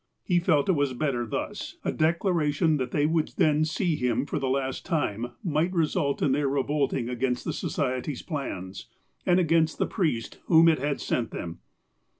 He felt it was better thus. A declaration that they would then see him for the last time might result in their revolting against the Society's plans, and against the priest whom it had sent them.